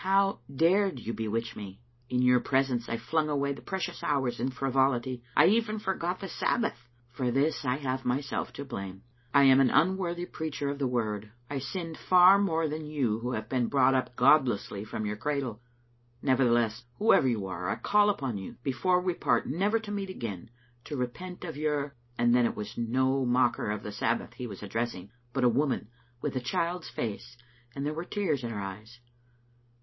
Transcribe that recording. How dared you bewitch me? In your presence I flung away the precious hours in frivolity; I even forgot the Sab bath. For this I have myself to blame. I am an un worthv preacher of the Word. I sinned far more than you who have been brought up godlessly from your cradle. Nevertheless, whoever you are, I call upon you, before we part never to meet again, to repent of your " And then it was no mocker of the Sabbath he was addressing, but a woman with a child's face, and there were tears in her eyes.